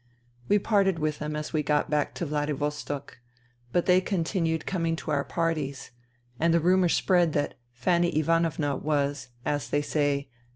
We parted with them as we got back to Vladi vostok ; but they continued coming to our parties ; and the rumour spread that Fanny Ivanovna was, as they say.